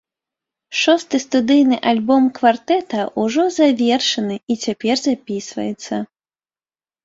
Шосты студыйны альбом квартэта ўжо завершаны і цяпер запісваецца.